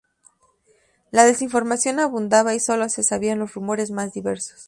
La desinformación abundaba y solo se sabían los rumores más diversos.